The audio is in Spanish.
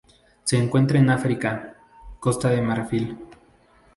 Se encuentran en África: Costa de Marfil.